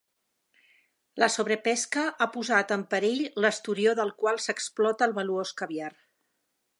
La sobrepesca ha posat en perill l'esturió del qual s'explota el valuós caviar.